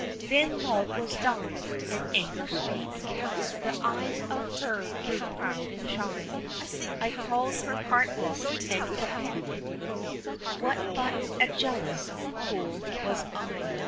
Then love was dumb, and anger spake, The eyes of her grew proud and shy, I called her heartless, and coquette What but a jealous fool was I?